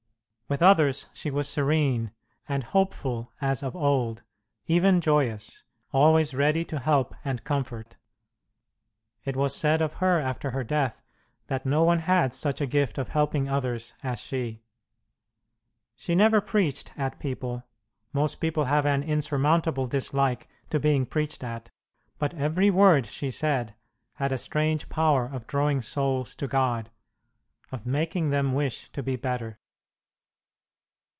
With others she was serene and hopeful as of old, even joyous, always ready to help and comfort. It was said of her after her death that no one had such a gift of helping others as she. She never preached at people most people have an insurmountable dislike to being preached at but every word she said had a strange power of drawing souls to God, of making them wish to be better.